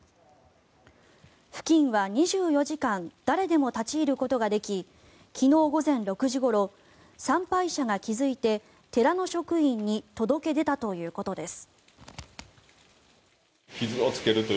付近は２４時間誰でも立ち入ることができ昨日午前６時ごろ参拝者が気付いて、寺の職員に届け出たということです。